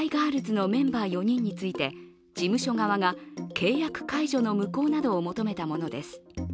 ’のメンバー４人について事務所側が、契約解除の無効などを求めたものです。